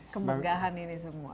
kemegahan ini semua